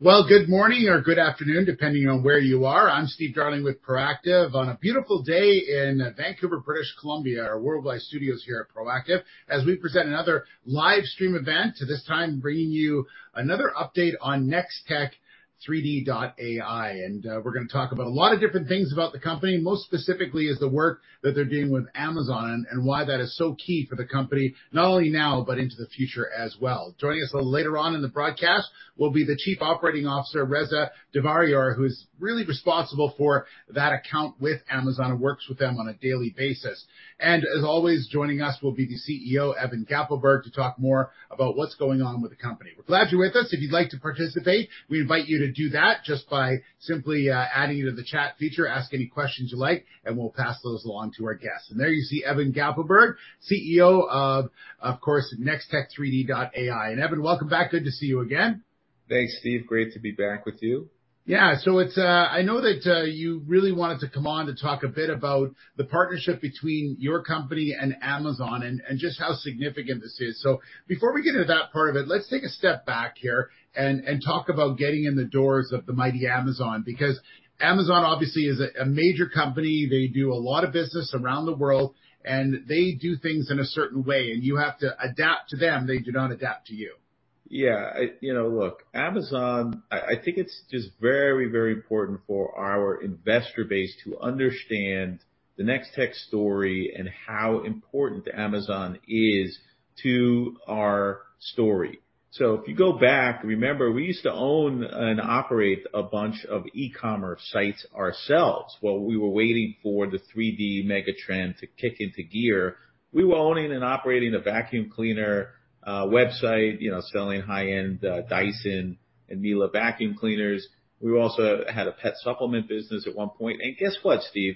Well, good morning or good afternoon, depending on where you are. I'm Steve Darling with Proactive, on a beautiful day in Vancouver, British Columbia, our worldwide studios here at Proactive, as we present another live stream event, this time bringing you another update on Nextech3D.ai. We're gonna talk about a lot of different things about the company, most specifically is the work that they're doing with Amazon, and why that is so key for the company, not only now, but into the future as well. Joining us a little later on in the broadcast will be the Chief Operating Officer, Reza Davariar, who's really responsible for that account with Amazon, and works with them on a daily basis. As always, joining us will be the CEO, Evan Gappelberg, to talk more about what's going on with the company. We're glad you're with us. If you'd like to participate, we invite you to do that just by simply, adding you to the chat feature, ask any questions you like, and we'll pass those along to our guests. There you see Evan Gappelberg, CEO, of course, Nextech3D.ai. Evan, welcome back. Good to see you again. Thanks, Steve. Great to be back with you. Yeah. It's, I know that you really wanted to come on to talk a bit about the partnership between your company and Amazon, and just how significant this is. Before we get into that part of it, let's take a step back here and talk about getting in the doors of the mighty Amazon, because Amazon obviously is a major company. They do a lot of business around the world, and they do things in a certain way, and you have to adapt to them. They do not adapt to you. Yeah. You know, look, Amazon, I think it's just very, very important for our investor base to understand the Nextech story and how important Amazon is to our story. If you go back, remember, we used to own and operate a bunch of E-commerce sites ourselves. While we were waiting for the 3D mega trend to kick into gear, we were owning and operating a vacuum cleaner website, you know, selling high-end Dyson and Miele vacuum cleaners. We also had a pet supplement business at one point. Guess what, Steve?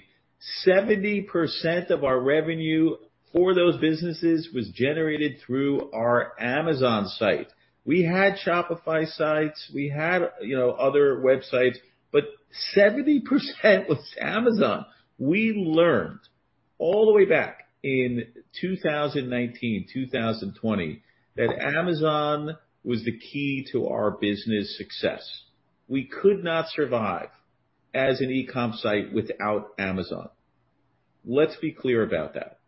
70% of our revenue for those businesses was generated through our Amazon site. We had Shopify sites, we had, you know, other websites, but 70% was Amazon. We learned all the way back in 2019, 2020, that Amazon was the key to our business success. We could not survive as an e-com site without Amazon. Let's be clear about that.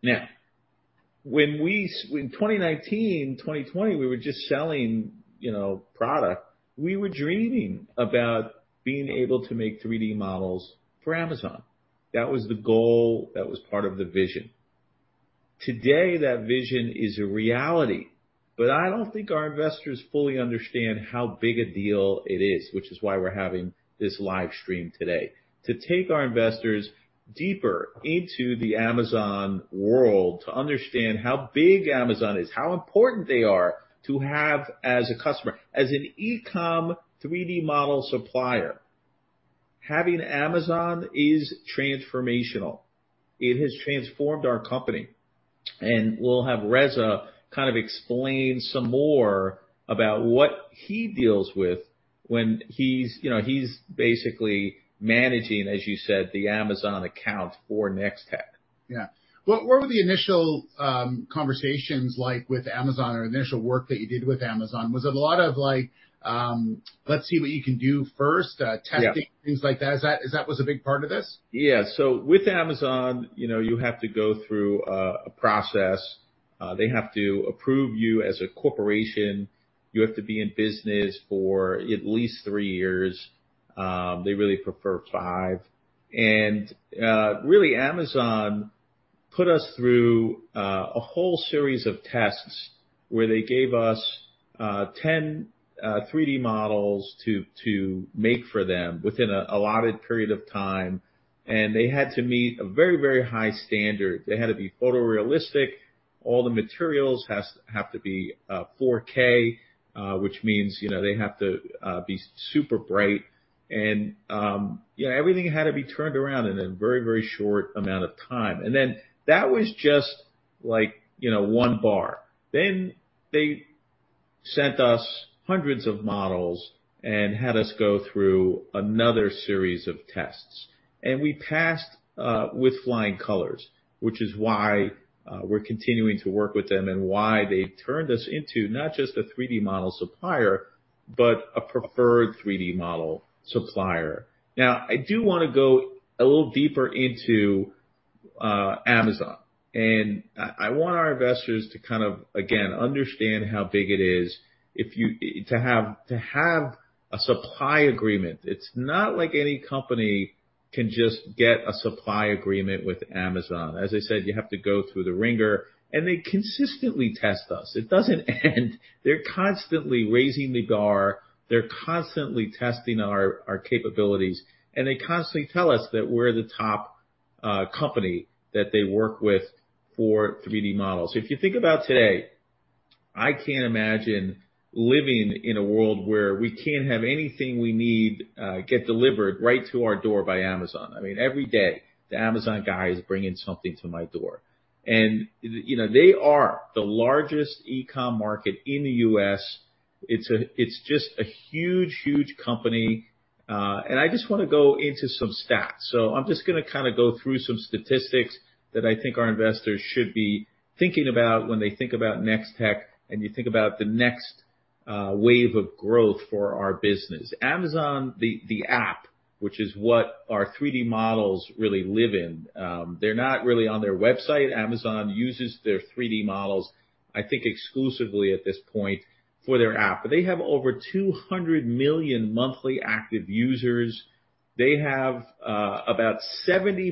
When we in 2019, 2020, we were just selling, you know, product, we were dreaming about being able to make 3D models for Amazon. That was the goal, that was part of the vision. Today, that vision is a reality. I don't think our investors fully understand how big a deal it is, which is why we're having this live stream today, to take our investors deeper into the Amazon world, to understand how big Amazon is, how important they are to have as a customer. As an e-com 3D model supplier, having Amazon is transformational. It has transformed our company. We'll have Reza kind of explain some more about what he deals with when he's... You know, he's basically managing, as you said, the Amazon account for Nextech. Yeah. What were the initial conversations like with Amazon, or initial work that you did with Amazon? Was it a lot of like, let's see what you can do first? Yeah... testing, things like that? Is that was a big part of this? Yeah. With Amazon, you know, you have to go through a process. They have to approve you as a corporation. You have to be in business for at least three years, they really prefer five. Really, Amazon put us through a whole series of tests where they gave us 10 3D models to make for them within an allotted period of time, and they had to meet a very, very high standard. They had to be photorealistic. All the materials have to be 4K, which means, you know, they have to be super bright. Yeah, everything had to be turned around in a very, very short amount of time. That was just like, you know, one bar. They sent us hundreds of models and had us go through another series of tests, and we passed with flying colors, which is why we're continuing to work with them, and why they turned us into not just a 3D model supplier, but a preferred 3D model supplier. I do wanna go a little deeper into Amazon, and I want our investors to kind of, again, understand how big it is to have a supply agreement. It's not like any company can just get a supply agreement with Amazon. As I said, you have to go through the wringer, and they consistently test us. It doesn't end. They're constantly raising the bar, they're constantly testing our capabilities, and they constantly tell us that we're the top company that they work with for 3D models. If you think about today, I can't imagine living in a world where we can't have anything we need, get delivered right to our door by Amazon. I mean, every day, the Amazon guy is bringing something to my door. You know, they are the largest e-com market in the US. It's just a huge company. I just wanna go into some stats. I'm just gonna kinda go through some statistics that I think our investors should be thinking about when they think about Nextech, and you think about the next wave of growth for our business. Amazon, the app, which is what our 3D models really live in, they're not really on their website. Amazon uses their 3D models, I think, exclusively at this point for their app. They have over 200 million monthly active users. They have about 70%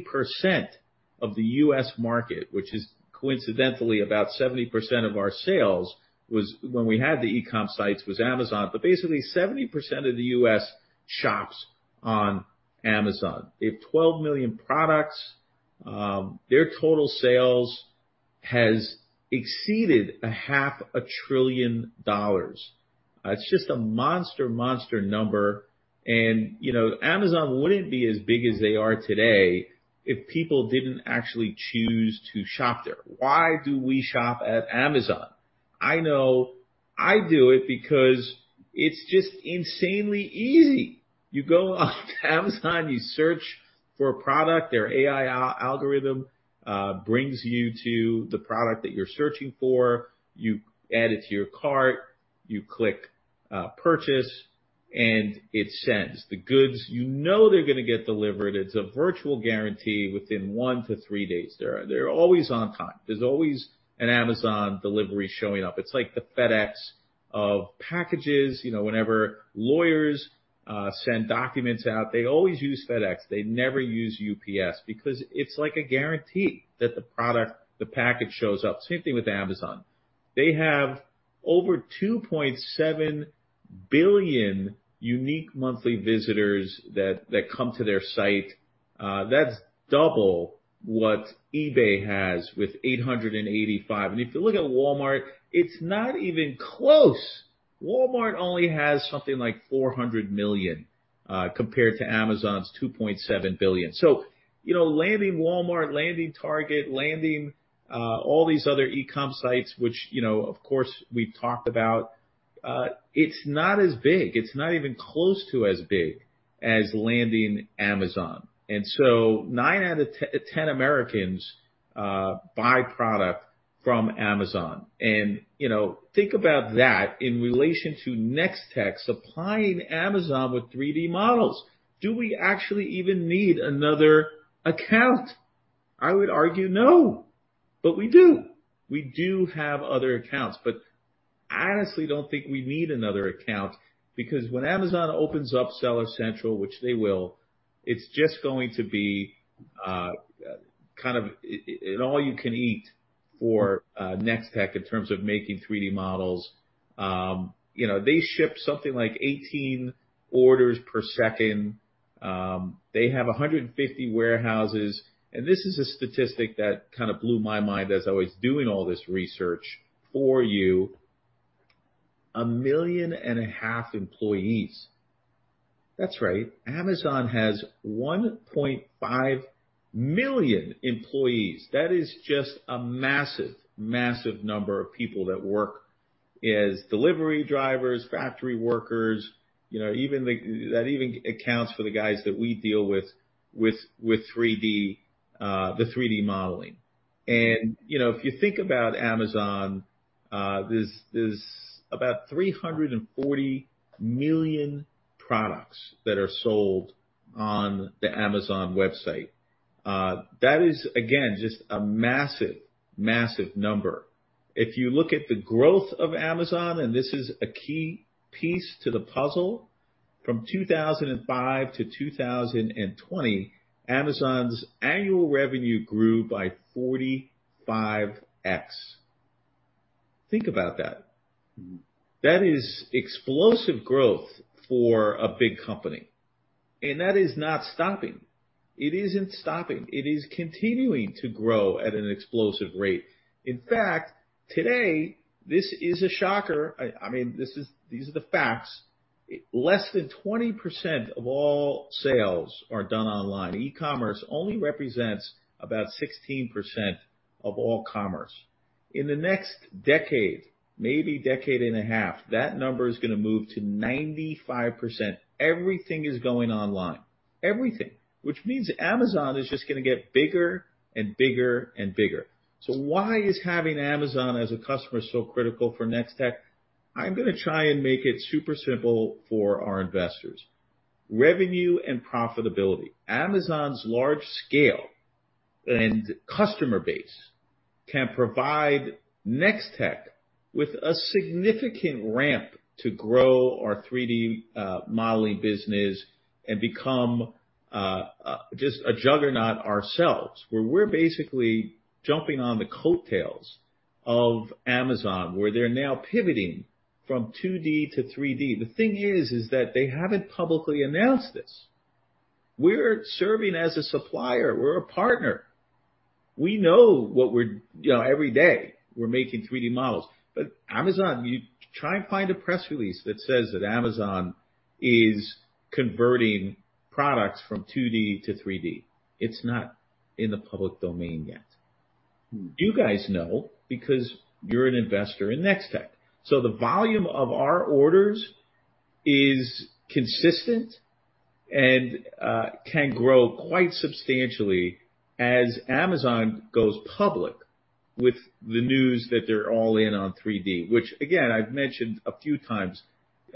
of the US market, which is coincidentally about 70% of our sales, was when we had the e-com sites, was Amazon. Basically, 70% of the US shops on Amazon. They have 12 million products. Their total sales has exceeded a half a trillion dollars. It's just a monster number, and, you know, Amazon wouldn't be as big as they are today if people didn't actually choose to shop there. Why do we shop at Amazon? I know I do it because it's just insanely easy. You go on Amazon, you search for a product, their AI algorithm brings you to the product that you're searching for, you add it to your cart, you click purchase, and it sends. The goods, you know they're gonna get delivered, it's a virtual guarantee within one to three days. They're always on time. There's always an Amazon delivery showing up. It's like the FedEx of packages. You know, whenever lawyers send documents out, they always use FedEx. They never use UPS because it's like a guarantee that the product, the package, shows up. Same thing with Amazon. They have over $2.7 billion unique monthly visitors that come to their site. That's double what eBay has with 885 million. If you look at Walmart, it's not even close. Walmart only has something like 400 million compared to Amazon's $2.7 billion. You know, landing Walmart, landing Target, landing all these other e-com sites, which, you know, of course, we've talked about, it's not as big. It's not even close to as big as landing Amazon. Nine out of 10 Americans buy product from Amazon, and, you know, think about that in relation to Nextech supplying Amazon with 3D models. Do we actually even need another account? I would argue no, but we do. We do have other accounts, but I honestly don't think we need another account because when Amazon opens up Seller Central, which they will, it's just going to be kind of an all you can eat for Nextech in terms of making 3D models. You know, they ship something like 18 orders per second. They have 150 warehouses, and this is a statistic that kind of blew my mind as I was doing all this research for you. A million and a half employees. That's right, Amazon has 1.5 million employees. That is just a massive number of people that work as delivery drivers, factory workers, you know, even that even accounts for the guys that we deal with, with 3D, the 3D modeling. You know, if you think about Amazon, there's about 340 million products that are sold on the Amazon website. That is, again, just a massive number. If you look at the growth of Amazon, and this is a key piece to the puzzle, from 2005 to 2020, Amazon's annual revenue grew by 45x. Think about that. That is explosive growth for a big company, and that is not stopping. It isn't stopping. It is continuing to grow at an explosive rate. In fact, today, this is a shocker, I mean, this is, these are the facts, less than 20% of all sales are done online. E-commerce only represents about 16% of all commerce. In the next decade, maybe decade and a half, that number is gonna move to 95%. Everything is going online, everything, which means Amazon is just gonna get bigger and bigger and bigger. Why is having Amazon as a customer so critical for Nextech? I'm gonna try and make it super simple for our investors. Revenue and profitability. Amazon's large scale and customer base can provide Nextech with a significant ramp to grow our 3D modeling business and become just a juggernaut ourselves, where we're basically jumping on the coattails of Amazon, where they're now pivoting from 2D to 3D. The thing is that they haven't publicly announced this. We're serving as a supplier. We're a partner. We know what we're. You know, every day, we're making 3D models, but Amazon, you try and find a press release that says that Amazon is converting products from 2D to 3D. It's not in the public domain yet. You guys know because you're an investor in Nextech. The volume of our orders is consistent and can grow quite substantially as Amazon goes public with the news that they're all in on 3D, which, again, I've mentioned a few times,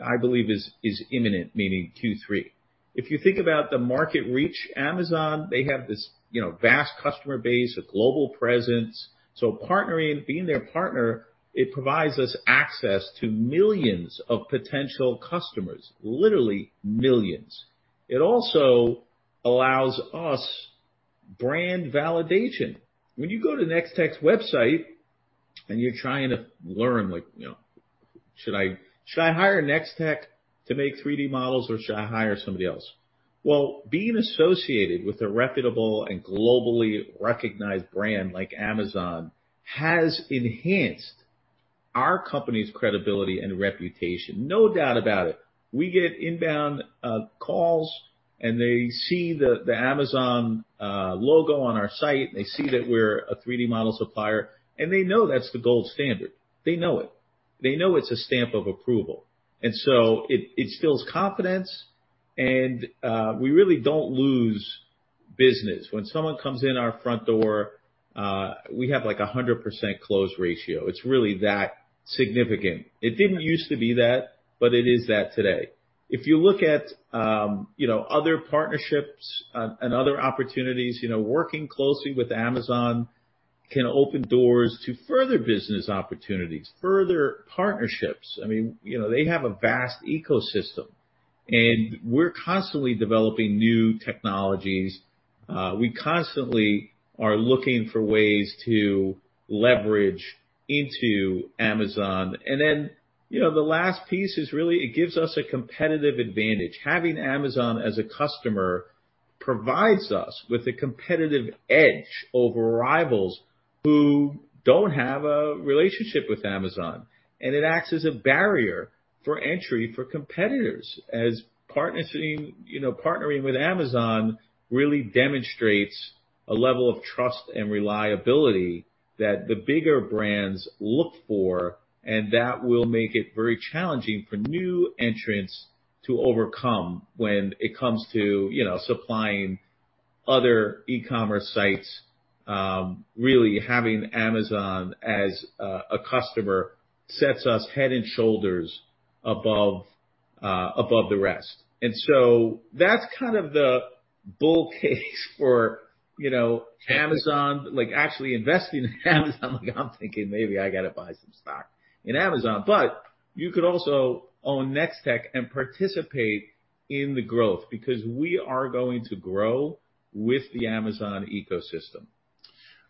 I believe is imminent, meaning Q3. If you think about the market reach, Amazon, they have this, you know, vast customer base, a global presence. Being their partner, it provides us access to millions of potential customers, literally millions. It also allows us brand validation. When you go to Nextech's website and you're trying to learn, like, you know, "Should I hire Nextech to make 3D models, or should I hire somebody else?" Being associated with a reputable and globally recognized brand like Amazon has enhanced our company's credibility and reputation. No doubt about it. We get inbound calls, and they see the Amazon logo on our site, and they see that we're a 3D model supplier, and they know that's the gold standard. They know it. They know it's a stamp of approval. It instills confidence. We really don't lose business. When someone comes in our front door, we have, like, a 100% close ratio. It's really that significant. It didn't used to be that, but it is that today. If you look at, you know, other partnerships, and other opportunities, you know, working closely with Amazon can open doors to further business opportunities, further partnerships. I mean, you know, they have a vast ecosystem, and we're constantly developing new technologies. We constantly are looking for ways to leverage into Amazon. You know, the last piece is really it gives us a competitive advantage. Having Amazon as a customer provides us with a competitive edge over rivals who don't have a relationship with Amazon. It acts as a barrier for entry for competitors as partnering, you know, partnering with Amazon really demonstrates a level of trust and reliability that the bigger brands look for, and that will make it very challenging for new entrants to overcome when it comes to, you know, supplying other E-commerce sites. really, having Amazon as a customer sets us head and shoulders above above the rest. That's kind of the bull case for, you know, Amazon, like actually investing in Amazon. Like, I'm thinking maybe I gotta buy some stock in Amazon, but you could also own Nextech and participate in the growth because we are going to grow with the Amazon ecosystem.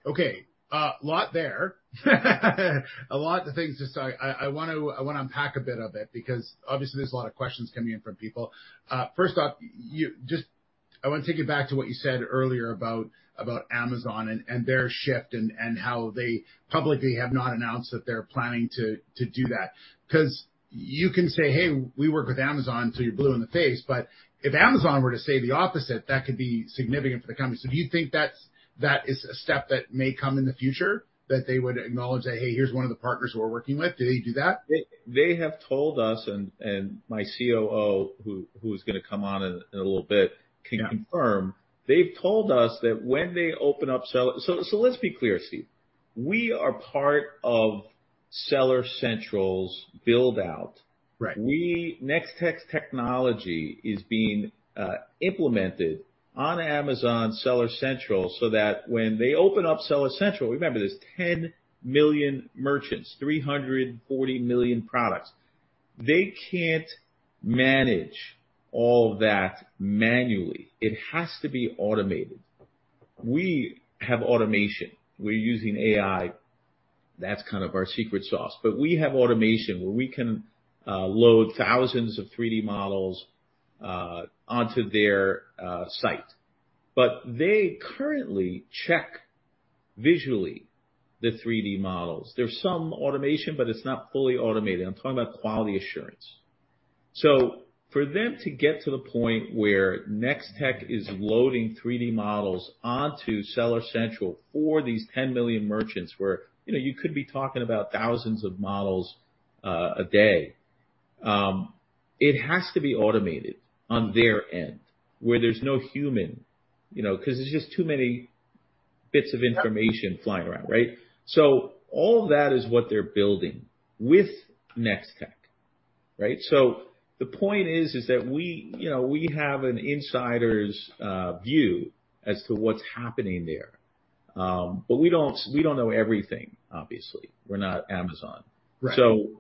A lot there. A lot of things to say. I want to, I want to unpack a bit of it because obviously there's a lot of questions coming in from people. First off, I wanna take it back to what you said earlier about Amazon and their shift and how they publicly have not announced that they're planning to do that. 'Cause you can say, "Hey, we work with Amazon," till you're blue in the face, if Amazon were to say the opposite, that could be significant for the company. Do you think that's, that is a step that may come in the future, that they would acknowledge that, "Hey, here's one of the partners we're working with"? Do they do that? They have told us, and my COO, who is gonna come on in a little bit. Yeah. - can confirm. They've told us that when they open up Seller Central. Let's be clear, Steve. We are part of Seller Central's build-out. Right. Nextech's technology is being implemented on Amazon Seller Central so that when they open up Seller Central. Remember, there's 10 million merchants, 340 million products. They can't manage all that manually. It has to be automated. We have automation. We're using AI. That's kind of our secret sauce. We have automation, where we can load thousands of 3D models onto their site. They currently check visually the 3D models. There's some automation, but it's not fully automated. I'm talking about quality assurance. For them to get to the point where Nextech is loading 3D models onto Seller Central for these 10 million merchants, where, you know, you could be talking about thousands of models a day, it has to be automated on their end, where there's no human, you know, 'cause there's just too many bits of information... Yeah flying around, right? All that is what they're building with Nextech, right? The point is that we, you know, we have an insider's view as to what's happening there, but we don't know everything, obviously. We're not Amazon. Right.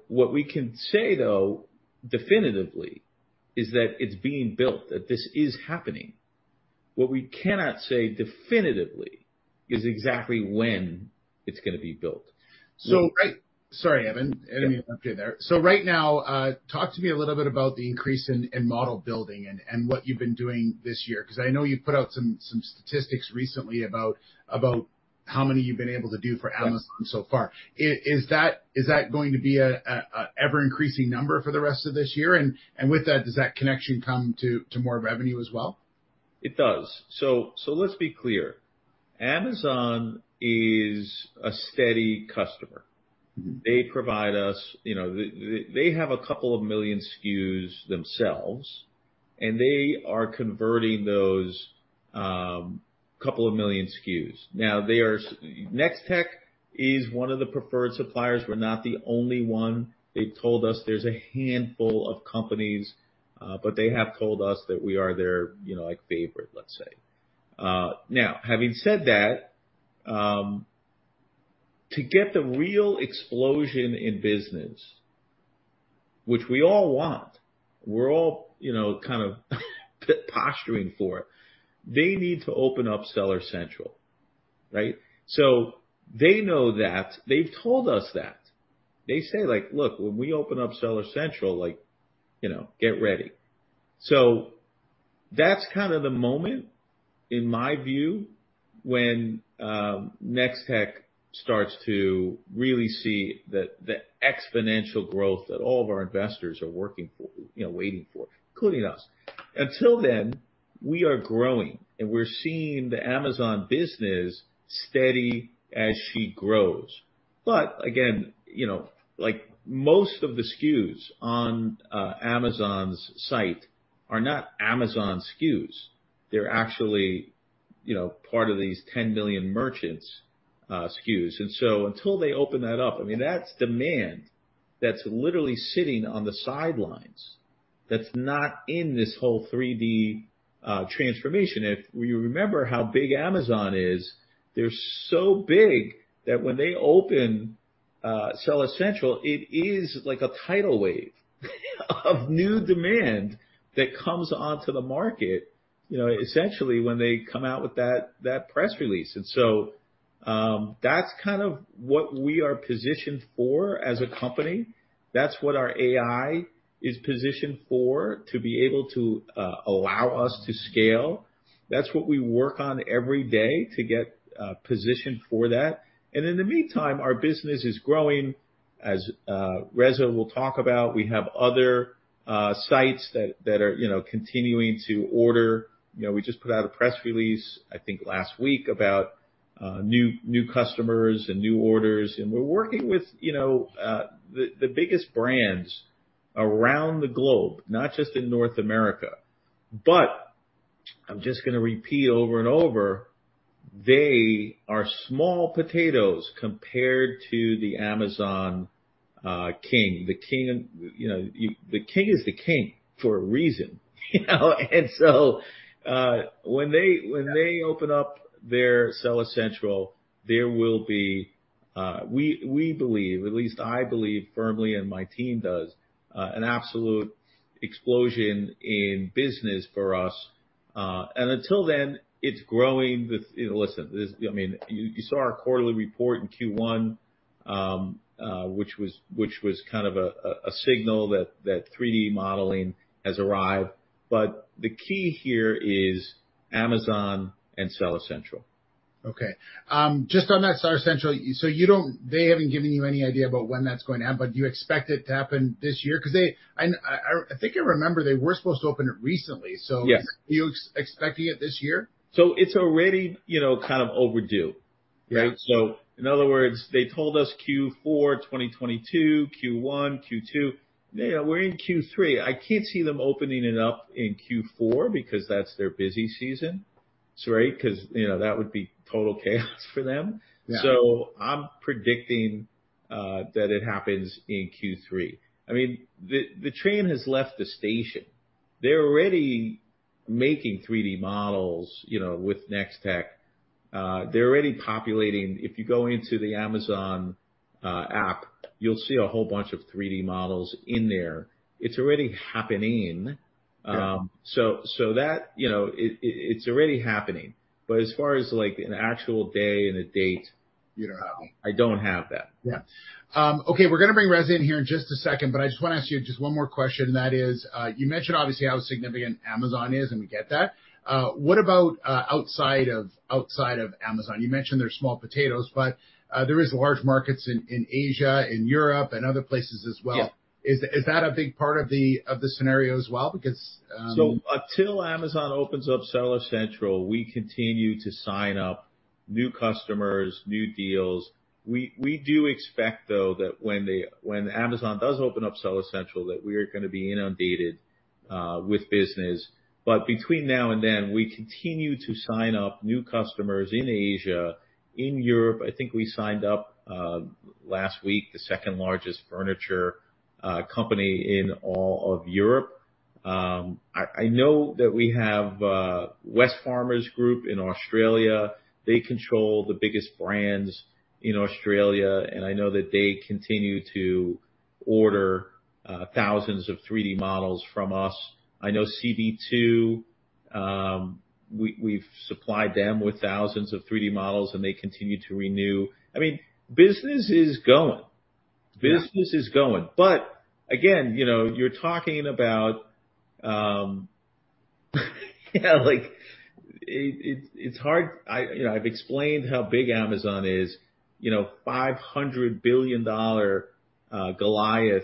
What we can say, though, definitively, is that it's being built, that this is happening. What we cannot say definitively is exactly when it's gonna be built. Right. Sorry, Evan. I didn't mean to interrupt you there. Right now, talk to me a little bit about the increase in model building and what you've been doing this year. 'Cause I know you've put out some statistics recently about how many you've been able to do for Amazon- Yes... so far. Is that going to be a ever-increasing number for the rest of this year? With that, does that connection come to more revenue as well? It does. Let's be clear. Amazon is a steady customer. Mm-hmm. They provide us, you know, they have a couple of million SKUs themselves, and they are converting those, couple of million SKUs. Now, Nextech is one of the preferred suppliers. We're not the only one. They've told us there's a handful of companies, but they have told us that we are their, you know, like, favorite, let's say. Now, having said that, to get the real explosion in business, which we all want, we're all, you know, kind of posturing for, they need to open up Seller Central, right? They know that. They've told us that. They say, like: "Look, when we open up Seller Central, like, you know, get ready." That's kind of the moment, in my view, when Nextech starts to really see the exponential growth that all of our investors are working for, you know, waiting for, including us. Until then, we are growing, and we're seeing the Amazon business steady as she grows. Again, you know, like, most of the SKUs on Amazon's site are not Amazon SKUs. They're actually, you know, part of these 10 million merchants SKUs. Until they open that up, I mean, that's demand that's literally sitting on the sidelines, that's not in this whole 3D transformation. If you remember how big Amazon is, they're so big that when they open, Seller Central, it is like a tidal wave of new demand that comes onto the market, you know, essentially when they come out with that press release. That's kind of what we are positioned for as a company. That's what our AI is positioned for, to be able to allow us to scale. That's what we work on every day to get positioned for that. In the meantime, our business is growing. As Reza will talk about, we have other sites that are, you know, continuing to order. You know, we just put out a press release, I think last week, about new customers and new orders, and we're working with, you know, the biggest brands around the globe, not just in North America. I'm just gonna repeat over and over, they are small potatoes compared to the Amazon king. The king, you know, the king is the king for a reason, you know? When they open up their Seller Central, there will be. We believe, at least I believe firmly, and my team does an absolute explosion in business for us. Until then, it's growing with... You know, listen, this, I mean, you saw our quarterly report in Q1, which was kind of a signal that 3D modeling has arrived, the key here is Amazon and Seller Central. Okay. Just on that Seller Central, they haven't given you any idea about when that's going to happen, but you expect it to happen this year? They... I think I remember they were supposed to open it recently. Yes. Are you expecting it this year? It's already, you know, kind of overdue, right? Yeah. In other words, they told us Q4 2022, Q1, Q2. Yeah, we're in Q3. I can't see them opening it up in Q4 because that's their busy season, right? 'Cause, you know, that would be total chaos for them. Yeah. I'm predicting that it happens in Q3. I mean, the train has left the station. They're already making 3D models, you know, with Nextech. They're already populating. If you go into the Amazon app, you'll see a whole bunch of 3D models in there. It's already happening. Yeah. That, you know, it's already happening, but as far as, like, an actual day and a date... You don't have. I don't have that. Yeah. Okay, we're gonna bring Reza in here in just a second, but I just wanna ask you just one more question. That is, you mentioned obviously how significant Amazon is, and we get that. What about outside of, outside of Amazon? You mentioned they're small potatoes. There is large markets in Asia, in Europe, and other places as well. Yeah. Is that a big part of the, of the scenarios as well? Until Amazon opens up Seller Central, we continue to sign up new customers, new deals. We do expect, though, that when Amazon does open up Seller Central, that we are gonna be inundated with business. Between now and then, we continue to sign up new customers in Asia, in Europe. I think we signed up last week, the 2nd-largest furniture company in all of Europe. I know that we have Wesfarmers Group in Australia. They control the biggest brands in Australia, and I know that they continue to order thousands of 3D models from us. I know CB2, we've supplied them with thousands of 3D models, and they continue to renew. I mean, business is going. Yeah. Business is going. Again, you know, you're talking about, you know, like, it's hard, you know, I've explained how big Amazon is, you know, a $500 billion-dollar Goliath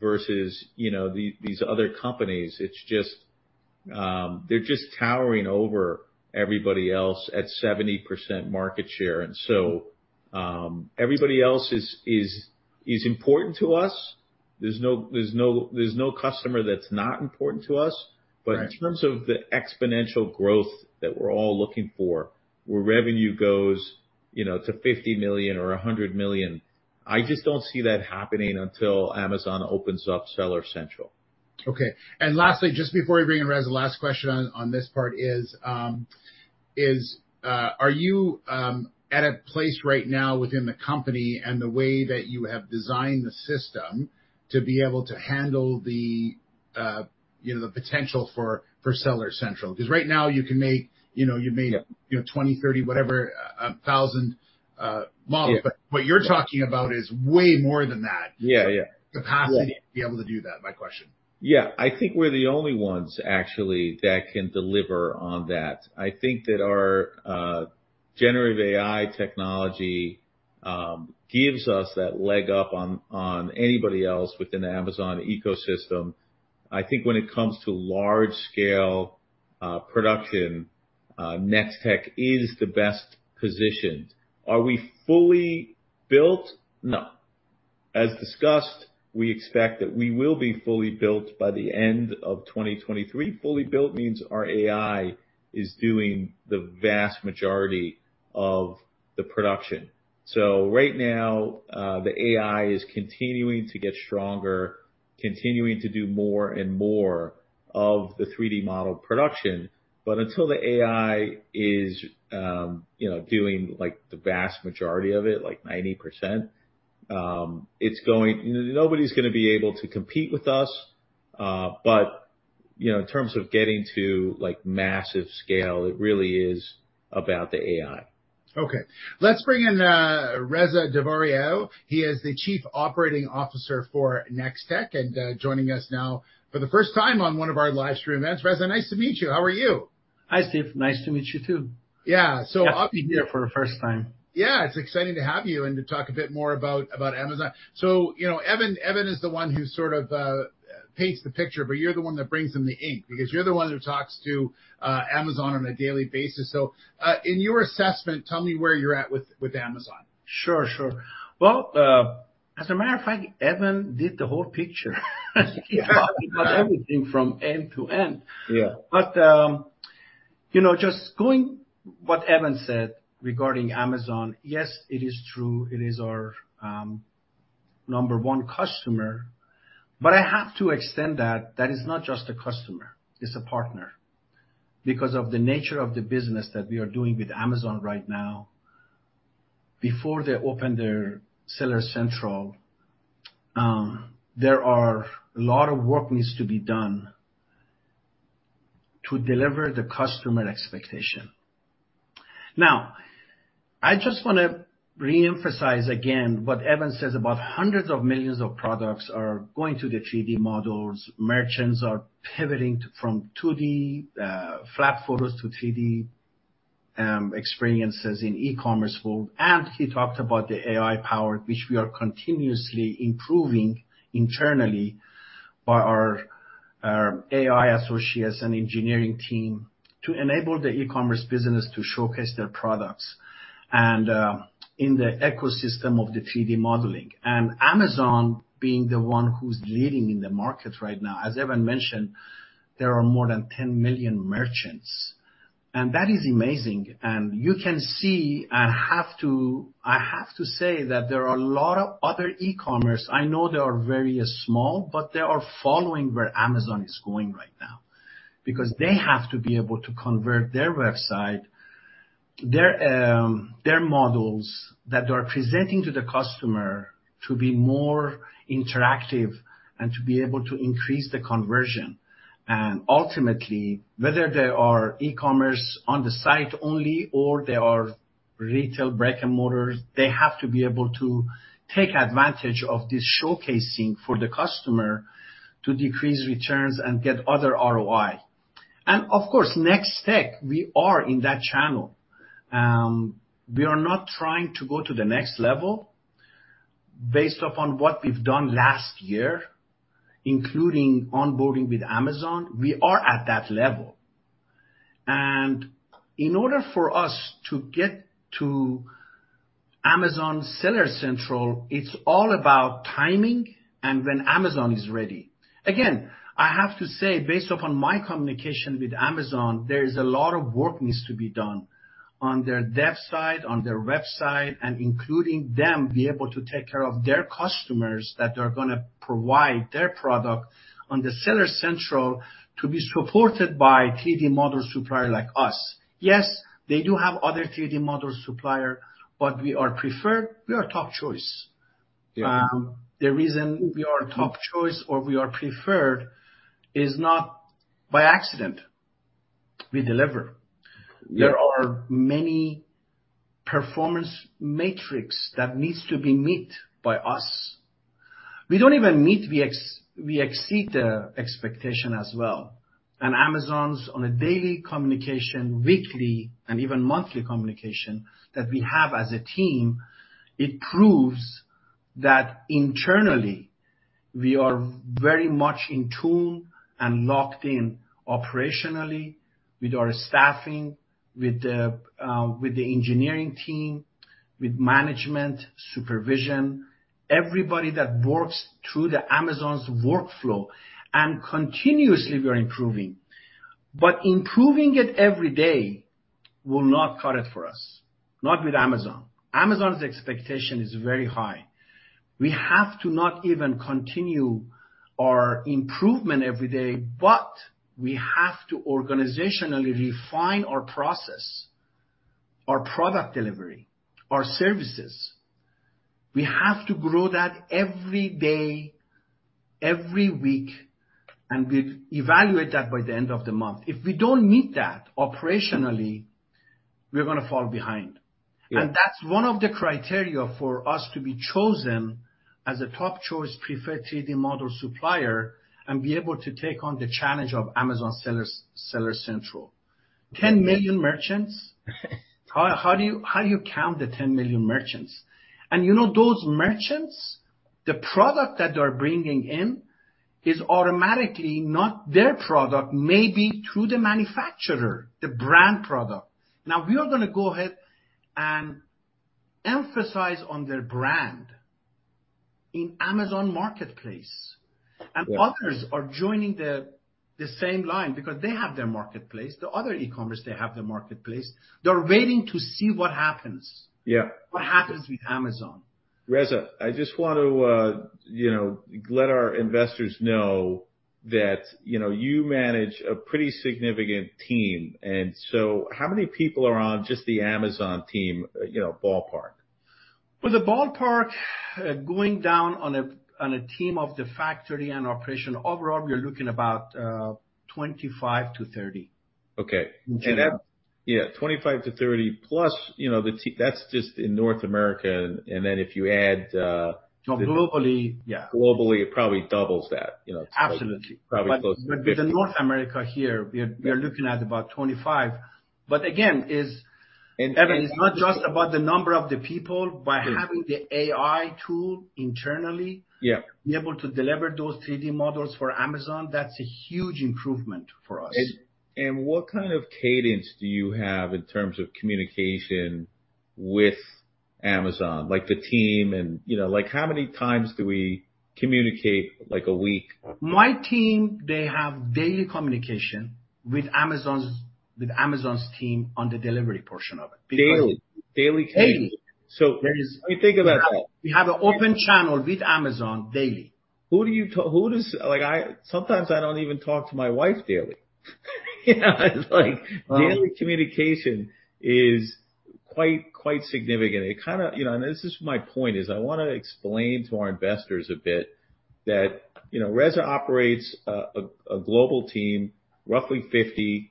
versus, you know, these other companies. It's just. They're just towering over everybody else at 70% market share. Everybody else is important to us. There's no customer that's not important to us. Right. In terms of the exponential growth that we're all looking for, where revenue goes, you know, to $50 million or $100 million, I just don't see that happening until Amazon opens up Seller Central. Okay. Lastly, just before we bring in Reza, the last question on this part is, are you at a place right now within the company and the way that you have designed the system to be able to handle the, you know, the potential for Seller Central? Because right now, you can make, you know. Yeah... you know, 20, 30, whatever, 1,000 models. Yeah. What you're talking about is way more than that. Yeah, yeah. Capacity- Yeah to be able to do that, my question. Yeah. I think we're the only ones actually that can deliver on that. I think that our generative AI technology gives us that leg up on anybody else within the Amazon ecosystem. I think when it comes to large scale production, Nextech is the best positioned. Are we fully built? No. As discussed, we expect that we will be fully built by the end of 2023. Fully built means our AI is doing the vast majority of the production. Right now, the AI is continuing to get stronger, continuing to do more and more of the 3D model production. Until the AI is, you know, doing, like, the vast majority of it, like 90%. You know, nobody's gonna be able to compete with us, but, you know, in terms of getting to like massive scale, it really is about the AI. Okay, let's bring in Reza Davariar. He is the Chief Operating Officer for Nextech3D.ai, joining us now for the first time on one of our live stream events. Reza, nice to meet you. How are you? Hi, Steve. Nice to meet you, too. Yeah. Here for the first time. Yeah, it's exciting to have you and to talk a bit more about Amazon. You know, Evan is the one who sort of paints the picture, but you're the one that brings them the ink, because you're the one who talks to Amazon on a daily basis. In your assessment, tell me where you're at with Amazon? Sure, sure. As a matter of fact, Evan did the whole picture. Yeah. He got everything from end to end. Yeah. You know, just going what Evan said regarding Amazon, yes, it is true, it is our number one customer, but I have to extend that is not just a customer, it's a partner. Because of the nature of the business that we are doing with Amazon right now, before they open their Seller Central, there are a lot of work needs to be done to deliver the customer expectation. Now, I just wanna reemphasize again what Evan says about hundreds of millions of products are going to the 3D models. Merchants are pivoting from 2D, flat photos to 3D, experiences in E-commerce world. He talked about the AI power, which we are continuously improving internally by our AI associates and engineering team to enable the E-commerce business to showcase their products and in the ecosystem of the 3D modeling. Amazon, being the one who's leading in the market right now, as Evan mentioned, there are more than 10 million merchants, and that is amazing. You can see, I have to say that there are a lot of other E-commerce. I know they are very small, but they are following where Amazon is going right now, because they have to be able to convert their website, their models that they are presenting to the customer to be more interactive and to be able to increase the conversion. Ultimately, whether they are E-commerce on the site only or they are retail brick and mortars, they have to be able to take advantage of this showcasing for the customer to decrease returns and get other ROI. Of course, Nextech, we are in that channel. We are not trying to go to the next level based upon what we've done last year, including onboarding with Amazon. We are at that level. In order for us to get to Amazon Seller Central, it's all about timing and when Amazon is ready. Again, I have to say, based upon my communication with Amazon, there is a lot of work needs to be done on their Dev side, on their website, and including them, be able to take care of their customers that are gonna provide their product on the Seller Central to be supported by 3D model supplier like us. Yes, they do have other 3D model supplier, but we are preferred. We are top choice. Yeah. The reason we are a top choice or we are preferred is not by accident. We deliver. Yeah. There are many performance metrics that needs to be met. We don't even meet, we exceed the expectation as well. Amazon's on a daily communication, weekly, and even monthly communication that we have as a team, it proves that internally, we are very much in tune and locked in operationally with our staffing, with the engineering team, with management, supervision, everybody that works through the Amazon's workflow, continuously, we are improving. Improving it every day will not cut it for us, not with Amazon. Amazon's expectation is very high. We have to not even continue our improvement every day, but we have to organizationally refine our process, our product delivery, our services. We have to grow that every day, every week, and we evaluate that by the end of the month. If we don't meet that operationally, we're gonna fall behind. Yeah. That's one of the criteria for us to be chosen as a top choice, preferred 3D model supplier, and be able to take on the challenge of Amazon sellers, Seller Central. 10 million merchants? How do you count the 10 million merchants? You know, those merchants, the product that they're bringing in is automatically not their product, maybe through the manufacturer, the brand product. We are gonna go ahead and emphasize on their brand in Amazon Marketplace. Yeah. Others are joining the same line because they have their marketplace. The other E-commerce, they have their marketplace. They're waiting to see what happens. Yeah. What happens with Amazon? Reza, I just want to, you know, let our investors know that, you know, you manage a pretty significant team, how many people are on just the Amazon team, you know, ballpark? With the ballpark, going down on a team of the factory and operation, overall, we are looking about 25-30. Okay. In general. Yeah, 25-30 plus, you know, That's just in North America, and then if you add. No, globally, yeah. Globally, it probably doubles that, you know? Absolutely. Probably closer to 50. with the North America here, we are looking at about 25. again. And, and- It's not just about the number of the people. Yes. By having the AI tool internally. Yeah... we're able to deliver those 3D models for Amazon, that's a huge improvement for us. What kind of cadence do you have in terms of communication with Amazon? Like, the team. You know, like, how many times do we communicate, like, a week? My team, they have daily communication with Amazon's team on the delivery portion of it. Daily? Daily cadence. Daily. Let me think about that. We have an open channel with Amazon daily. Sometimes I don't even talk to my wife daily. You know, it's like, daily communication is quite significant. It kind of... You know, this is my point, is I wanna explain to our investors a bit that, you know, Reza operates a global team, roughly 50 people,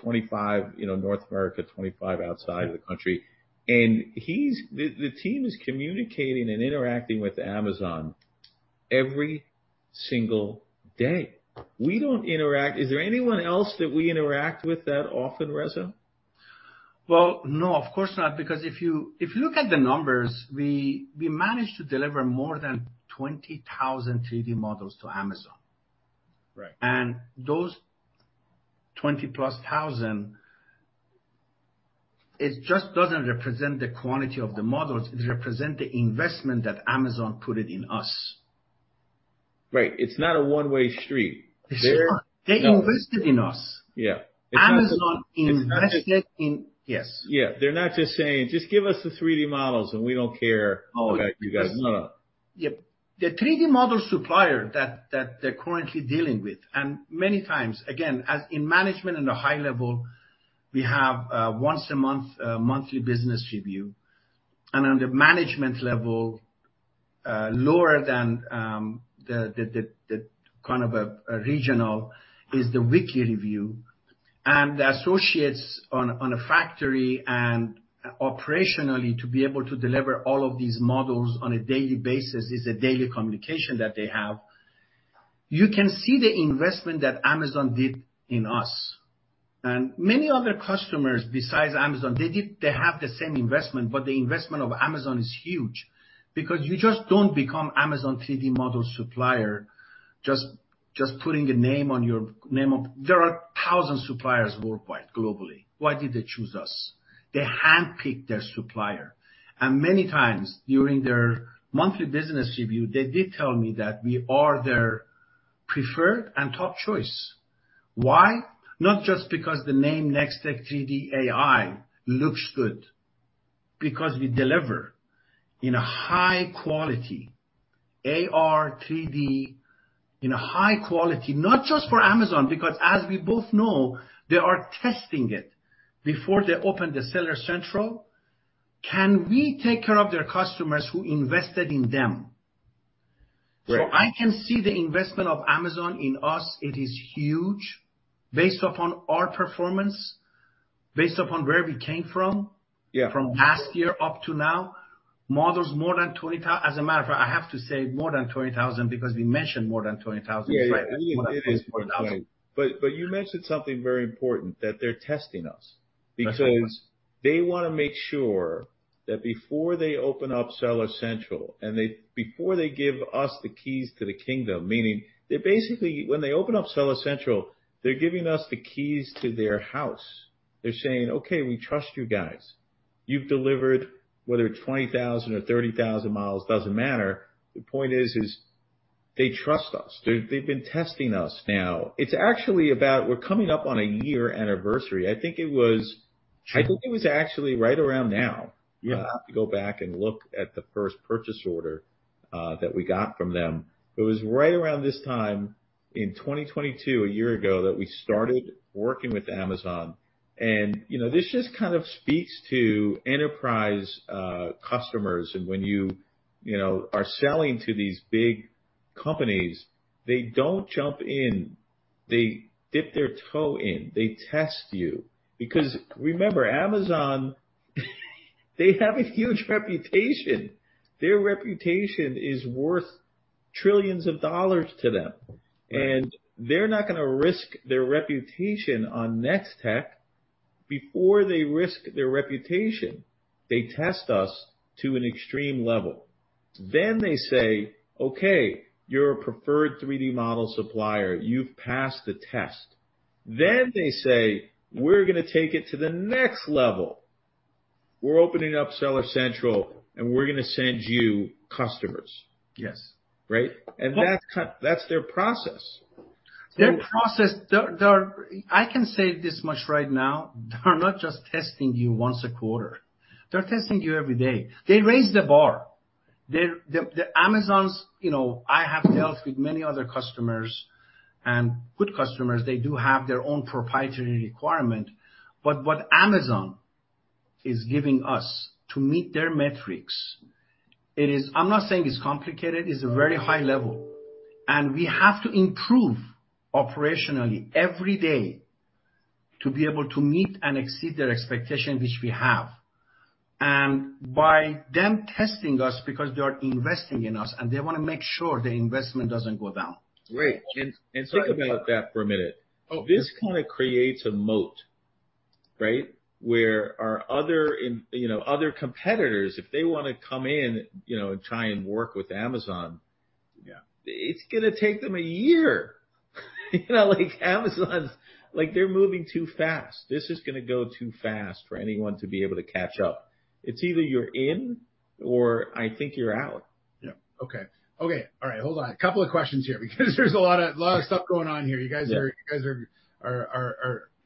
25, you know, North America, 25 outside of the country. The team is communicating and interacting with Amazon every single day. We don't interact... Is there anyone else that we interact with that often, Reza? No, of course not, because if you look at the numbers, we managed to deliver more than 20,000 3D models to Amazon. Right. Those 20,000+, it just doesn't represent the quantity of the models, it represents the investment that Amazon put it in us. Right. It's not a one-way street. It's not. They- They invested in us. Yeah. Amazon invested. It's not just. Yes. Yeah. They're not just saying: "Just give us the three models, and we don't care- No - about you guys." No, no. Yep. The 3D model supplier that they're currently dealing with, and many times, again, as in management at a high level, we have once a month, monthly business review, and on the management level, lower than the kind of a regional, is the weekly review. The associates on a factory and operationally, to be able to deliver all of these models on a daily basis, is a daily communication that they have. You can see the investment that Amazon did in us. Many other customers, besides Amazon, they have the same investment, but the investment of Amazon is huge because you just don't become Amazon 3D model supplier just putting a name on your. Name of. There are thousands suppliers worldwide, globally. Why did they choose us? They handpicked their supplier. Many times, during their monthly business review, they did tell me that we are their preferred and top choice. Why? Not just because the name Nextech3D.ai looks good. We deliver in a high quality, AR 3D, in a high quality, not just for Amazon, because as we both know, they are testing it before they open the Seller Central. Can we take care of their customers who invested in them? Right. I can see the investment of Amazon in us, it is huge, based upon our performance. Based upon where we came from. Yeah. from last year up to now, models more than as a matter of fact, I have to say more than 20,000 because we mentioned more than 20,000, right? Yeah, yeah. More than 20,000. You mentioned something very important, that they're testing us. That's right. They wanna make sure that before they open up Seller Central, before they give us the keys to the kingdom. When they open up Seller Central, they're giving us the keys to their house. They're saying: "Okay, we trust you guys. You've delivered whether 20,000 or 30,000 models, doesn't matter." The point is, they trust us. They've been testing us now. It's actually about, we're coming up on a year anniversary. Sure. I think it was actually right around now. Yeah. I'll have to go back and look at the first purchase order that we got from them. It was right around this time in 2022, a year ago, that we started working with Amazon. You know, this just kind of speaks to enterprise customers, and when you know, are selling to these big companies, they don't jump in. They dip their toe in. They test you. Because remember, Amazon, they have a huge reputation. Their reputation is worth $ trillions to them. Right. They're not gonna risk their reputation on Nextech. Before they risk their reputation, they test us to an extreme level. They say: "Okay, you're a preferred 3D model supplier. You've passed the test." They say: "We're gonna take it to the next level. We're opening up Seller Central, and we're gonna send you customers. Yes. Right? That's their process. Their process. I can say this much right now, they're not just testing you once a quarter. They're testing you every day. They raise the bar. They're, the Amazon's, you know, I have dealt with many other customers, and good customers, they do have their own proprietary requirement. What Amazon is giving us to meet their metrics, I'm not saying it's complicated, it's a very high level, and we have to improve operationally every day to be able to meet and exceed their expectation, which we have. By them testing us because they are investing in us, and they wanna make sure the investment doesn't go down. Right. Think about that for a minute. Oh. This kind of creates a moat, right? Where our other, you know, other competitors, if they wanna come in, you know, and try and work with Amazon. Yeah it's gonna take them a year. You know, like, Amazon's, like, they're moving too fast. This is gonna go too fast for anyone to be able to catch up. It's either you're in or I think you're out. Yeah. Okay. Okay, all right. Hold on. A couple of questions here because there's a lot of stuff going on here. Yeah. You guys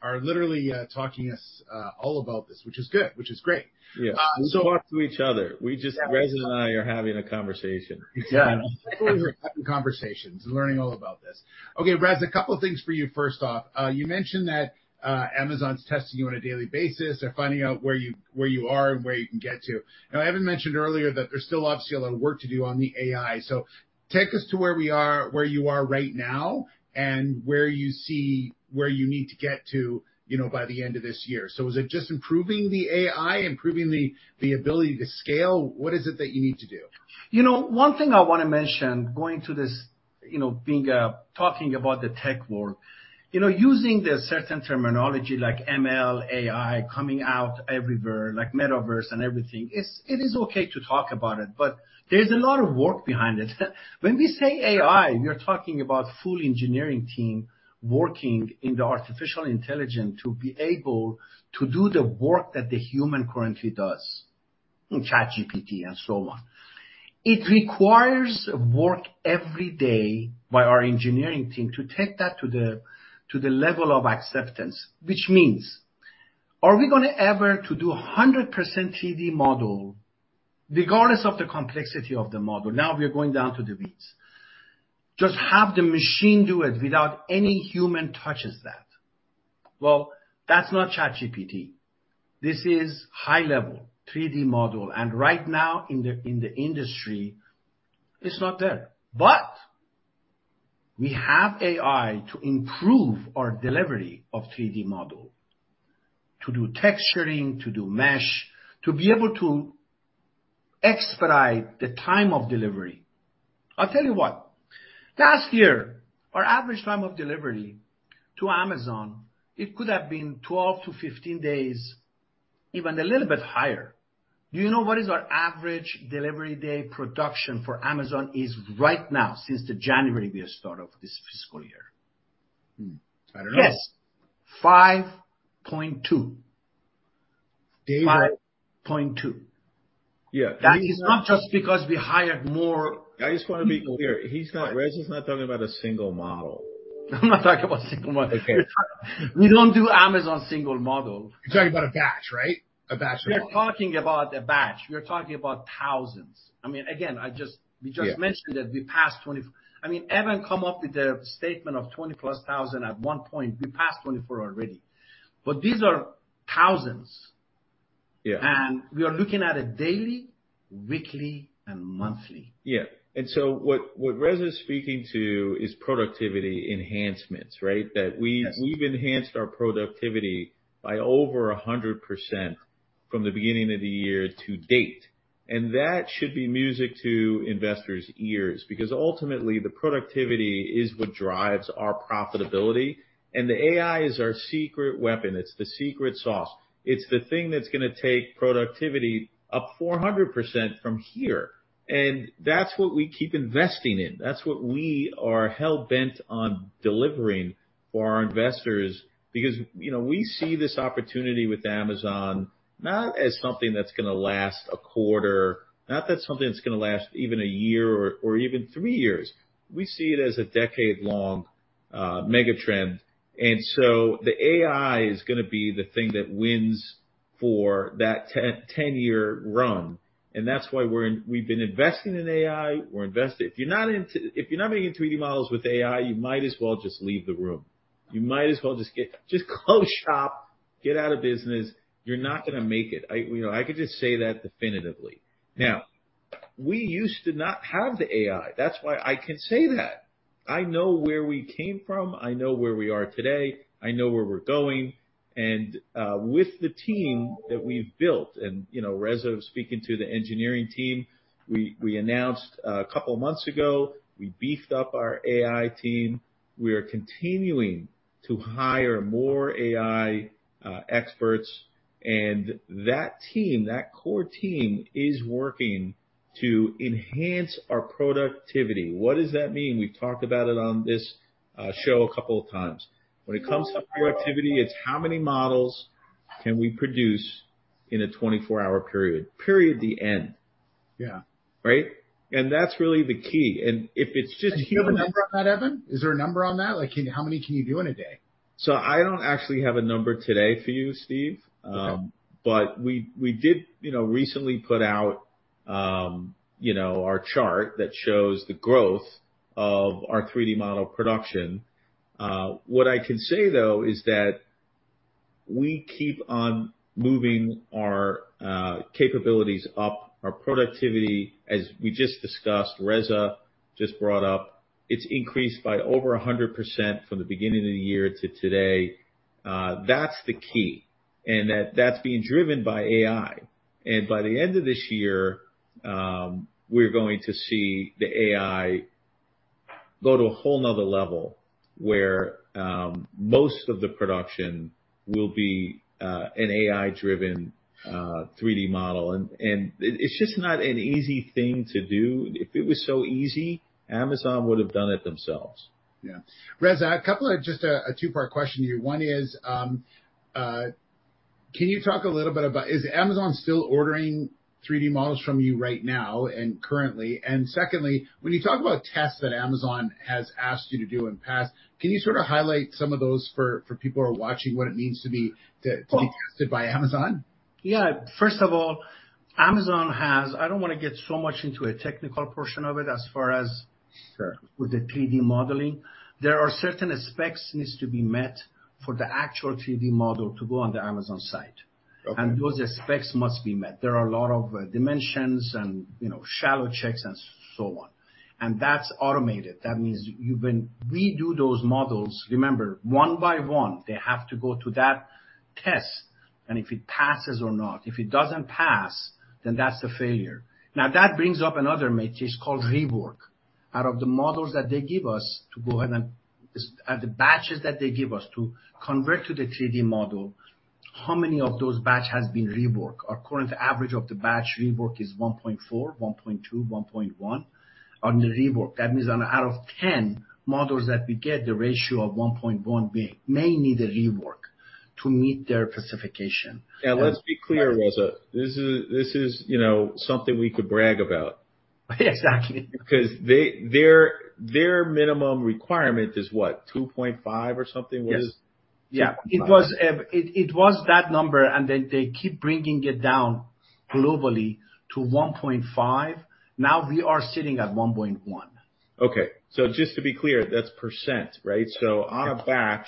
are literally talking us all about this, which is good, which is great. Yeah. Uh, so- We talk to each other. Yeah. Reza and I are having a conversation. Yeah. That's what we're having conversations, and learning all about this. Okay, Reza, a couple of things for you, first off. You mentioned that, Amazon's testing you on a daily basis. They're finding out where you, where you are and where you can get to. Now, Evan mentioned earlier that there's still obviously a lot of work to do on the AI, so take us to where we are, where you are right now and where you see where you need to get to, you know, by the end of this year. Is it just improving the AI, improving the ability to scale? What is it that you need to do? You know, one thing I want to mention, going to this, you know, being, talking about the tech world, you know, using the certain terminology like ML, AI, coming out everywhere, like Metaverse and everything, it is okay to talk about it, but there's a lot of work behind it. When we say AI, we are talking about full engineering team working in the artificial intelligence to be able to do the work that the human currently does, in ChatGPT and so on. It requires work every day by our engineering team to take that to the, to the level of acceptance, which means, are we gonna ever to do a 100% 3D model, regardless of the complexity of the model? Now, we are going down to the weeds. Just have the machine do it without any human touches that. Well, that's not ChatGPT. This is high-level 3D model, and right now, in the industry, it's not there. We have AI to improve our delivery of 3D model, to do texturing, to do mesh, to be able to expedite the time of delivery. I'll tell you what, last year, our average time of delivery to Amazon, it could have been 12-15 days, even a little bit higher. Do you know what is our average delivery day production for Amazon is right now, since the January, the start of this fiscal year? I don't know. Guess. 5.2. David- 5.2. Yeah. That is not just because we hired more. I just wanna be clear. Reza's not talking about a single model. I'm not talking about single model. Okay. We don't do Amazon single model. You're talking about a batch, right? A batch of model. We're talking about a batch. We're talking about thousands. I mean, again. Yeah. We just mentioned that we passed I mean, Evan come up with a statement of 20,000+ at one point. We passed 24 already. But these are thousands. We are looking at it daily, weekly, and monthly. Yeah. what Reza is speaking to is productivity enhancements, right? Yes. That we've enhanced our productivity by over 100% from the beginning of the year to date, that should be music to investors' ears, because ultimately, the productivity is what drives our profitability, and the AI is our secret weapon. It's the secret sauce. It's the thing that's gonna take productivity up 400% from here, that's what we keep investing in. That's what we are hell-bent on delivering for our investors, because, you know, we see this opportunity with Amazon not as something that's gonna last a quarter, not that's something that's gonna last even a year or even three years. We see it as a decade-long mega trend. The AI is gonna be the thing that wins for that 10-year run. That's why we've been investing in AI, we're invested. If you're not making 3D models with AI, you might as well just leave the room. You might as well just close shop, get out of business. You're not gonna make it. I, you know, I could just say that definitively. Now, we used to not have the AI. That's why I can say that. I know where we came from, I know where we are today, I know where we're going, and with the team that we've built, and, you know, Reza speaking to the engineering team, we announced a couple of months ago, we beefed up our AI team. We are continuing to hire more AI experts, and that team, that core team, is working to enhance our productivity. What does that mean? We've talked about it on this show a couple of times. When it comes to productivity, it's how many models can we produce in a 24-hour period. Period, the end. Yeah. Right? That's really the key. If it's just human- Is there a number on that, Evan? Is there a number on that? Like, how many can you do in a day? I don't actually have a number today for you, Steve. Okay. We did, you know, recently put out, you know, our chart that shows the growth of our 3D model production. What I can say, though, is that we keep on moving our capabilities up, our productivity, as we just discussed, Reza just brought up, it's increased by over 100% from the beginning of the year to today. That's the key, that's being driven by AI. By the end of this year, we're going to see the AI go to a whole another level, where most of the production will be an AI-driven 3D model. It's just not an easy thing to do. If it was so easy, Amazon would have done it themselves. Yeah. Reza, a two-part question here. One is, can you talk a little bit about, is Amazon still ordering 3D models from you right now and currently? Secondly, when you talk about tests that Amazon has asked you to do in past, can you sort of highlight some of those for people who are watching what it means to be tested by Amazon? Yeah. First of all, Amazon has. I don't wanna get so much into a technical portion of it as far as... Sure... with the 3D modeling. There are certain specs needs to be met for the actual 3D model to go on the Amazon site. Okay. Those specs must be met. There are a lot of dimensions and, you know, shallow checks and so on. That's automated. That means we do those models, remember, one by one, they have to go to that test, and if it passes or not, if it doesn't pass, then that's a failure. Now, that brings up another matrix called rework. Out of the models that they give us to go ahead and the batches that they give us to convert to the 3D model, how many of those batch has been reworked? Our current average of the batch rework is 1.4, 1.2, 1.1 on the rework. That means on out of 10 models that we get, the ratio of 1.1 may need a rework to meet their specification. Yeah, let's be clear, Reza. This is, you know, something we could brag about. Exactly. Their minimum requirement is what? 2.5 or something. Yes. Yeah. It was that number, and then they keep bringing it down globally to 1.5. We are sitting at 1.1. Okay. Just to be clear, that's %, right? On a batch,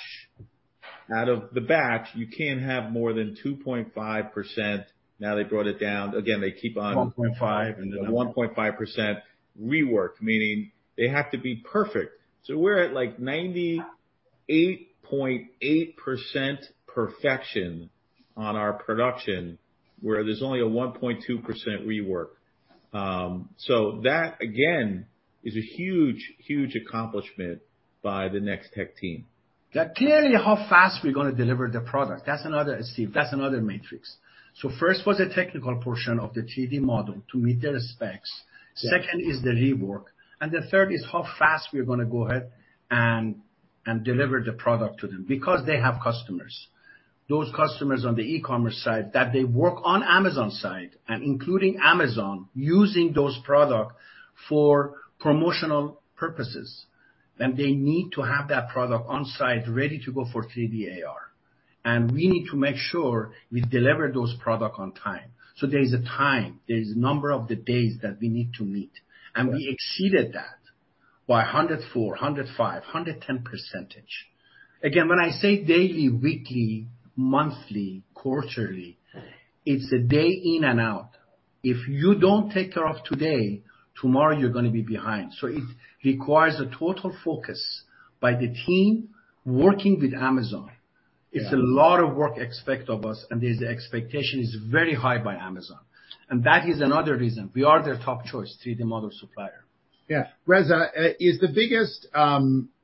out of the batch, you can't have more than 2.5%. They brought it down again, they keep. $1.5. 1.5% rework, meaning they have to be perfect. We're at like 98.8% perfection on our production, where there's only a 1.2% rework. That, again, is a huge, huge accomplishment by the Nextech team. That clearly how fast we're gonna deliver the product. That's another, Steve, that's another matrix. First was the technical portion of the 3D model to meet the specs. Yeah. Second is the rework, the third is how fast we're gonna go ahead and deliver the product to them, because they have customers. Those customers on the E-commerce side, that they work on Amazon side, including Amazon, using those product for promotional purposes, they need to have that product on site ready to go for 3D AR. We need to make sure we deliver those product on time. There is a time, there is a number of the days that we need to meet, we exceeded that by 104, 105, 110%. Again, when I say daily, weekly, monthly, quarterly, it's a day in and out. If you don't take care of today, tomorrow, you're gonna be behind. It requires a total focus by the team working with Amazon. Yeah. It's a lot of work expect of us. The expectation is very high by Amazon. That is another reason we are their top choice, 3D model supplier. Yeah. Reza, is the biggest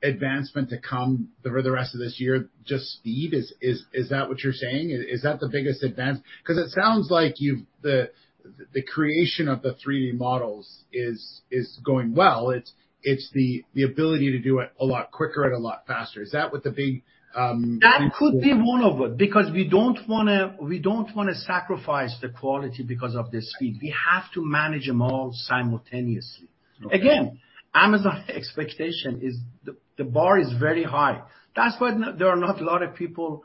advancement to come for the rest of this year, just speed? Is that what you're saying? Is that the biggest advance? 'Cause it sounds like you've the creation of the 3D models is going well. It's the ability to do it a lot quicker and a lot faster. Is that what the big? That could be one of it, because we don't wanna sacrifice the quality because of the speed. We have to manage them all simultaneously. Okay. Again, Amazon expectation is. The bar is very high. That's why there are not a lot of people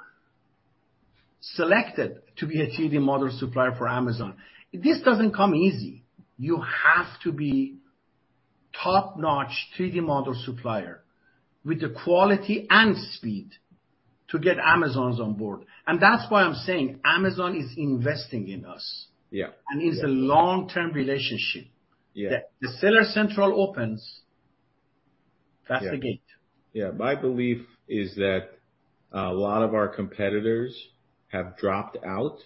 selected to be a 3D model supplier for Amazon. This doesn't come easy. You have to be top-notch 3D model supplier with the quality and speed to get Amazon's on board. That's why I'm saying Amazon is investing in us. Yeah. It's a long-term relationship. Yeah. The Seller Central opens, that's the gate. Yeah. My belief is that a lot of our competitors have dropped out,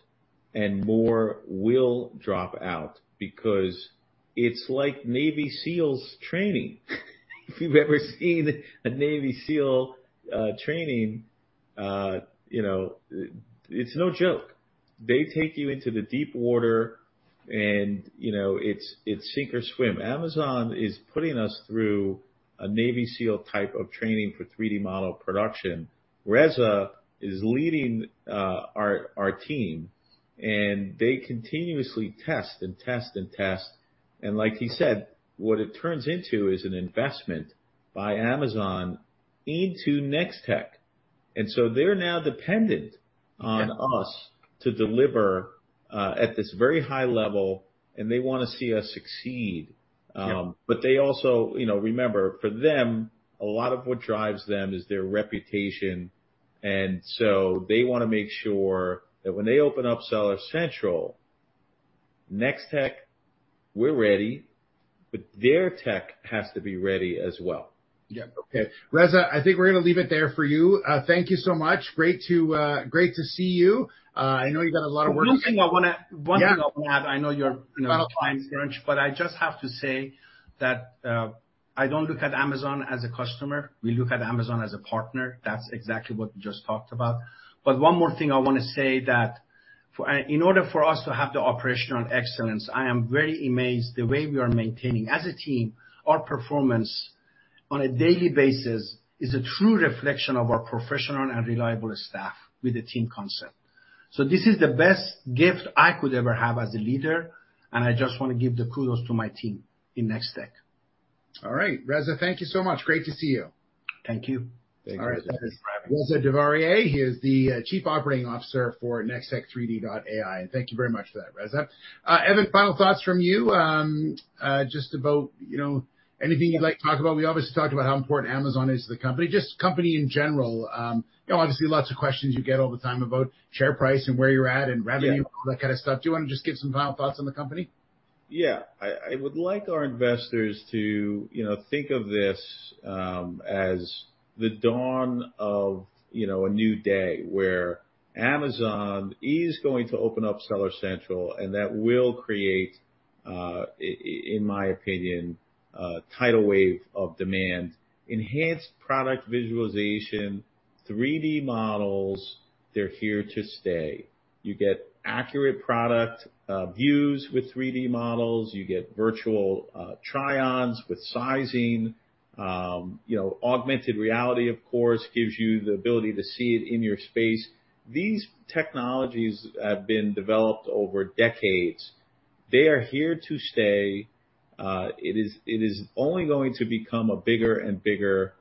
and more will drop out because it's like Navy SEALs training. If you've ever seen a Navy SEAL training, you know, it's no joke. They take you into the deep water, and, you know, it's sink or swim. Amazon is putting us through a Navy SEAL type of training for 3D model production. Reza is leading our team, and they continuously test, and test, and test, and like he said, what it turns into is an investment by Amazon into Nextech. So they're now dependent on- Yeah... us to deliver, at this very high level, and they wanna see us succeed. Yeah. They also... You know, remember, for them, a lot of what drives them is their reputation, and so they wanna make sure that when they open up Seller Central, Nextech, we're ready, but their tech has to be ready as well. Yeah. Okay. Reza, I think we're gonna leave it there for you. Thank you so much. Great to see you. I know you've got a lot of work- One thing I wanna-. Yeah. One thing I wanna add, I know you're, you know, time-stretched- That's fine. I just have to say that, I don't look at Amazon as a customer. We look at Amazon as a partner. That's exactly what we just talked about. One more thing I wanna say that in order for us to have the operational excellence, I am very amazed the way we are maintaining, as a team, our performance on a daily basis is a true reflection of our professional and reliable staff with the team concept. This is the best gift I could ever have as a leader, and I just want to give the kudos to my team in Nextech. Reza, thank you so much. Great to see you. Thank you. Thank you. All right. Reza Davariar, he is the Chief Operating Officer for Nextech3D.ai. Thank you very much for that, Reza. Evan, final thoughts from you, just about, you know, anything you'd like to talk about? We obviously talked about how important Amazon is to the company, just company in general. You know, obviously, lots of questions you get all the time about share price and where you're at, and revenue- Yeah all that kind of stuff. Do you want to just give some final thoughts on the company? Yeah. I would like our investors to, you know, think of this, as the dawn of, you know, a new day, where Amazon is going to open up Seller Central. That will create in my opinion, a tidal wave of demand. Enhanced product visualization, 3D models, they're here to stay. You get accurate product views with 3D models. You get virtual try-ons with sizing. You know, augmented reality, of course, gives you the ability to see it in your space. These technologies have been developed over decades. They are here to stay. It is only going to become a bigger and bigger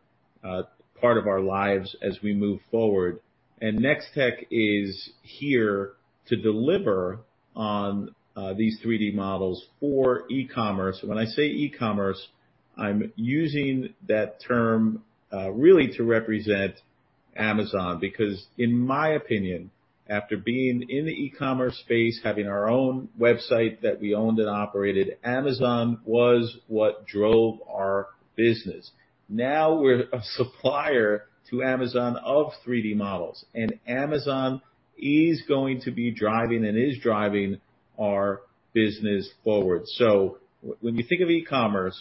part of our lives as we move forward. Nextech is here to deliver on these 3D models for E-commerce. When I say E-commerce, I'm using that term, really to represent Amazon, because in my opinion, after being in the E-commerce space, having our own website that we owned and operated, Amazon was what drove our business. Now, we're a supplier to Amazon of 3D models, and Amazon is going to be driving and is driving our business forward. When you think of E-commerce,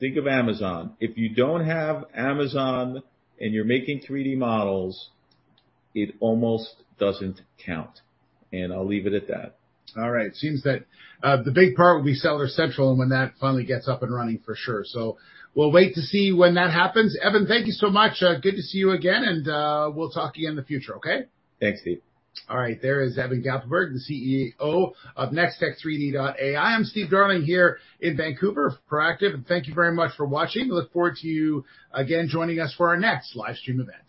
think of Amazon. If you don't have Amazon and you're making 3D models, it almost doesn't count, and I'll leave it at that. All right. It seems that the big part will be Seller Central, and when that finally gets up and running, for sure. We'll wait to see when that happens. Evan, thank you so much. Good to see you again, and we'll talk to you in the future, okay? Thanks, Steve. All right. There is Evan Gappelberg, the CEO of Nextech3D.ai. I'm Steve Darling here in Vancouver, Proactive. Thank you very much for watching. We look forward to you again joining us for our next live stream event.